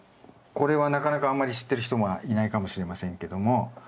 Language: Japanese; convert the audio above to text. これはなかなかあんまり知ってる人がいないかもしれませんけども。